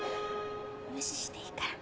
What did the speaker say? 無視していいから。